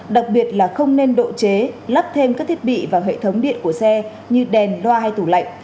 đặc biệt là không nên độ chế lắp thêm các thiết bị vào hệ thống điện của xe như đèn loa hay tủ lạnh